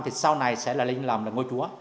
thì sau này sẽ là lên làm ngôi chúa